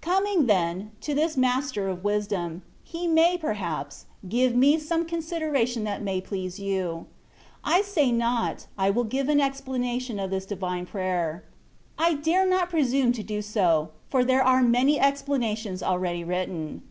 Coming, then, to this Master of Wisdom, He may, perhaps, give me some consideration that may please you. I say not, I will give an expla nation of this divine prayer. I dare not presnme to do so, for there are many explanations already written.